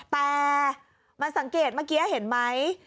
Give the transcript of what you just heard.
แต่มันสังเกตเมื่อกี้เห็นไหม